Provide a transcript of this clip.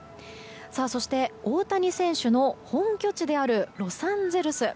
そして大谷選手の本拠地であるロサンゼルス。